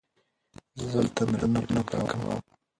زه خپل تمرینونه پوره کوم.